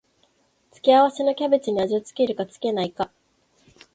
付け合わせのキャベツに味を付けるか付けないか